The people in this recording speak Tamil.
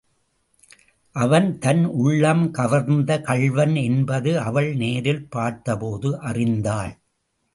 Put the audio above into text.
அவன் தன் உள்ளம் கவர்ந்த கள்வன் என்பது அவள் நேரில் பார்த்தபோது அறிந்தாள்.